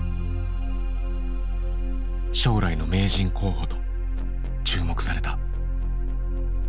将来の名人候補と注目された。